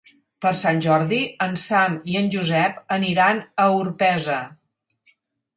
Per Sant Jordi en Sam i en Josep aniran a Orpesa.